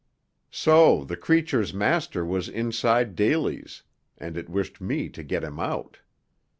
So the creature's master was inside Daly's, and it wished me to get him out.